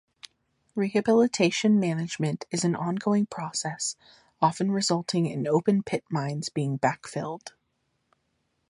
Rehabilitation management is an ongoing process, often resulting in open pit mines being backfilled.